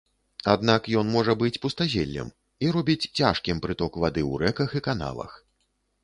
Аднак ён можа быць пустазеллем, і робіць цяжкім прыток вады ў рэках і канавах.